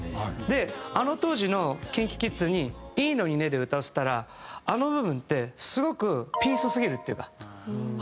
であの当時のＫｉｎＫｉＫｉｄｓに「いいのにね」で歌わせたらあの部分ってすごくピースすぎるっていうか。